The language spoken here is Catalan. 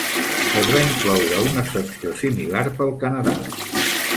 Es va incloure una secció similar pel Canadà.